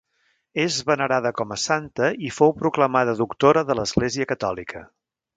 És venerada com a santa i fou proclamada doctora de l'Església catòlica.